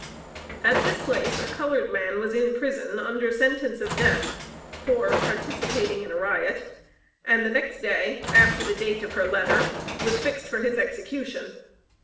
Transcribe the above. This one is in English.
At this place a colored man was in prison under sentence of death for "participating in a riot;" and the next day (after the date of her letter) was fixed for his execution.